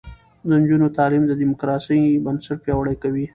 د نجونو تعلیم د دیموکراسۍ بنسټ پیاوړی کوي.